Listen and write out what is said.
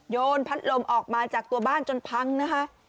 นพัดลมออกมาจากตัวบ้านจนพังนะคะ